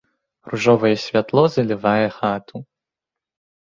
Ружовае святло залівае хату.